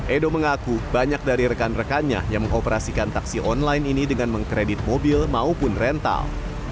edo mengaku banyak dari rekan rekannya yang mengoperasikan taksi online ini dengan mengkredit mobil maupun rental